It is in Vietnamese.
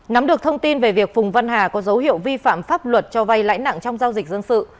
nắm được thông tin về việc phùng văn hà có dấu hiệu vi phạm pháp luật cho vay lãi nặng trong giao dịch dân sự